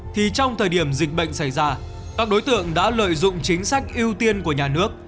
thì trong thời điểm dịch bệnh xảy ra các đối tượng đã lợi dụng chính sách ưu tiên của nhà nước